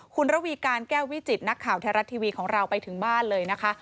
คุณระวีการแก้ววิจิตนักข่าวไทยรัฐทีวีของเราไปถึงบ้านเลยนะคะ